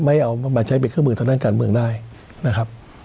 เอามาใช้เป็นเครื่องมือทางด้านการเมืองได้นะครับ